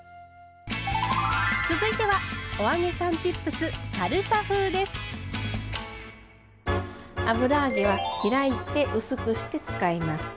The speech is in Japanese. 続いては油揚げは開いて薄くして使います。